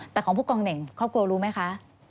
แต่ของผู้กองเหน่งครอบครัวรู้ไหมคะ